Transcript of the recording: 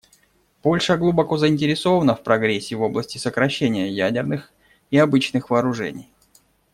Польша глубоко заинтересована в прогрессе в области сокращения ядерных и обычных вооружений.